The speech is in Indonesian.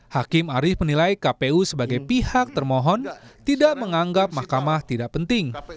hakim arief menilai kpu sebagai pihak termohon tidak menganggap mahkamah tidak penting